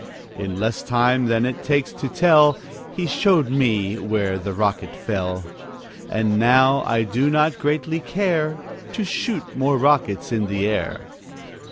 In less time than it takes to tell, He showed me where that rocket fell; And now I do not greatly care To shoot more rockets in the air.